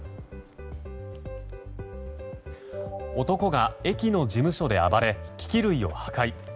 男が駅の事務所で暴れ機器類を破壊。